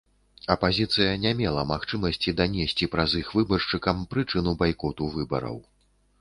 Апазіцыя не мела магчымасці данесці праз іх выбаршчыкам прычыну байкоту выбараў.